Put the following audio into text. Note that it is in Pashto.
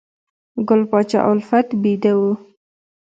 ګل پاچا الفت بیده و